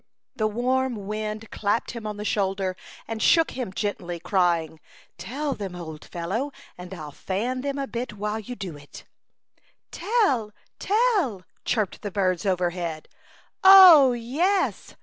The warm wind clapped him on the shoulder, and shook him gently, crying, — "Tell them, old fellow, and rU fan them a bit while you do it." lo A Chautauqua Idyl. "Tell, tell," chirped the birds over head. yes